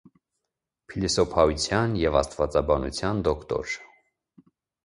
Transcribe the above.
Փիլիսոփայության և աստվածաբանության դոկտոր։